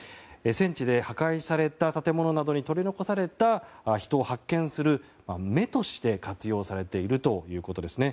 戦地で破壊された建物などに取り残された人を発見する目として活用されているということです。